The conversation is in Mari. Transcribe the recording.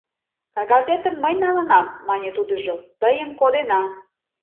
— Кагазетым мый налынам, — мане тудыжо, — тыйым кодена.